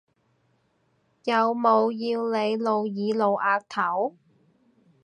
有冇要你露耳露額頭？